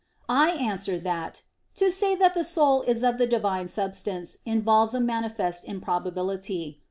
I answer that, To say that the soul is of the Divine substance involves a manifest improbability.